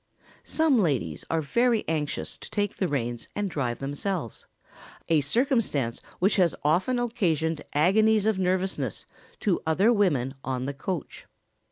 ] Sometimes ladies are very anxious to take the reins and drive themselves, a circumstance which has often occasioned agonies of nervousness to other women on the coach.